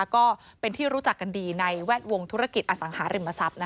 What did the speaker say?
ก็เป็นที่รู้จักกันดีในแวดวงธุรกิจอสังหาริมทรัพย์